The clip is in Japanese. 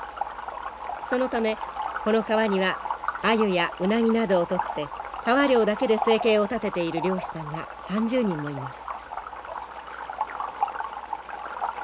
そのためこの川にはアユやウナギなどを取って川漁だけで生計を立てている漁師さんが３０人もいます。